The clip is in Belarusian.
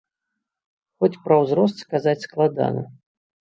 Хоць пра ўзрост сказаць складана.